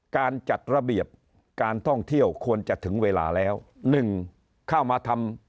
การจัดระเบียบการท่องเที่ยวควรจะถึงเวลาแล้วหนึ่งเข้ามาทำ